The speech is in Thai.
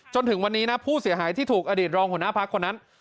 จนถึงวันนี้นะผู้เสียหายที่ถูกอดีตรองหัวหน้าพักคนนั้น